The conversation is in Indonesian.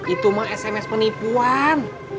itu mak sms penipuan